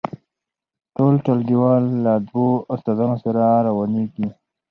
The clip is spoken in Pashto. ټول ټولګیوال له دوو استادانو سره روانیږي.